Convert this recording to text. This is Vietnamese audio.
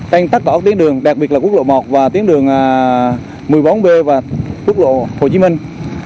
tăng tắt tỏa tuyến đường đặc biệt là quốc lộ một và tuyến đường một mươi bốn b và quốc lộ hồ chí minh